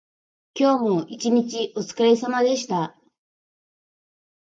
今日も一日おつかれさまでした。